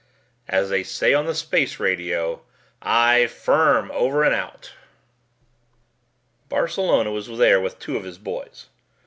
"As they say on the space radio, 'Aye firm, over and out!'" Barcelona was there with two of his boys.